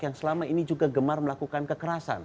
yang selama ini juga gemar melakukan kekerasan